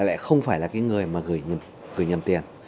bằng chiêu thức chuyển nhầm tiền